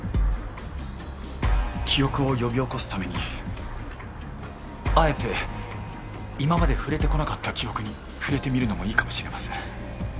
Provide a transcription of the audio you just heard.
記憶を呼び起こすためにあえて今まで触れてこなかった記憶に触れてみるのもいいかもしれません。